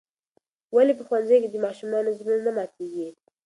ولې په ښوونځي کې د ماشومانو زړونه نه ماتیږي؟